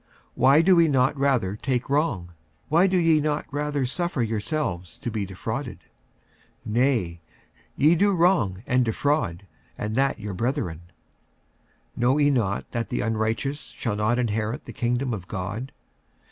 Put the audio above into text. Why do ye not rather take wrong? why do ye not rather suffer yourselves to be defrauded? 46:006:008 Nay, ye do wrong, and defraud, and that your brethren. 46:006:009 Know ye not that the unrighteous shall not inherit the kingdom of God?